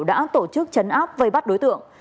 đã tổ chức chấn áp vây bắt đối tượng